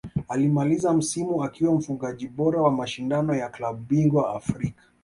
Alimaliza msimu akiwa mfungaji bora wa mashindano ya klabu bingwa Afrika